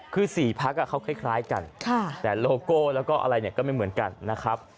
คือ๔พักเขาคล้ายกันแต่โลโก้แล้วก็อะไรเนี่ยก็ไม่เหมือนกันนะครับ